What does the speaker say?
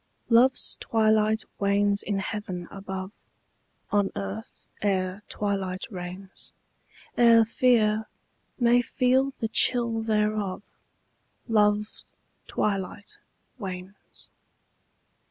LOVE'S twilight wanes in heaven above, On earth ere twilight reigns: Ere fear may feel the chill thereof, Love's twilight wanes.